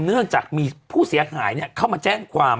เนื่องจากมีผู้เสียหายเข้ามาแจ้งความ